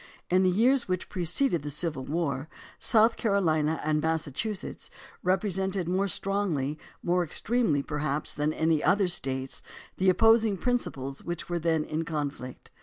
In the years which preceded the Civil War South Carolina and Massachusetts represented more strongly, more extremely, perhaps, than any other States the opposing principles which were then in conflict.